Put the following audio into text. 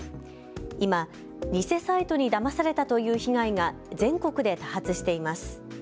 今、偽サイトにだまされたという被害が全国で多発しています。